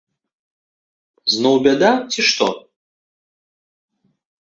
Зноў бяда, ці што?